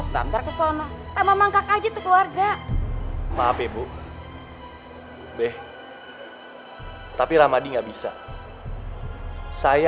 sebentar kesana sama mangkak aja keluarga maaf ibu deh tapi ramadi nggak bisa saya